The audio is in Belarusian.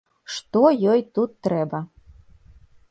Што ёй тут трэба?